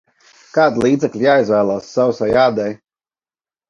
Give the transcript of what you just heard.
Kādi līdzekļi jāizvēlas sausai ādai?